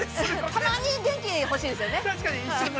◆たまに、元気が欲しいですね。